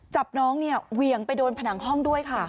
จับน้องเนี่ยเหวี่ยงไปโดนผนังห้องด้วยค่ะ